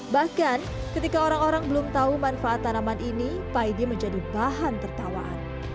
bahkan ketika orang orang belum tahu manfaat tanaman ini paidee menjadi bahan tertawaan